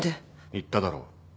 言っただろう。